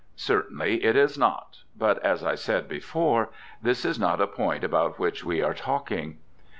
Certainly it is not. But, as I said before, this is not a point about which we are talking.